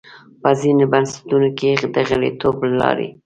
په ځینو بنسټونو کې د غړیتوب له لارې.